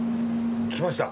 きました！